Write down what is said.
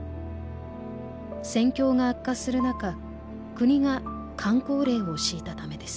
戦況が悪化する中国がかん口令を敷いたためです。